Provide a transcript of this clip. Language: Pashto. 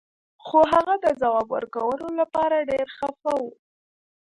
خو هغه د ځواب ورکولو لپاره ډیر خفه و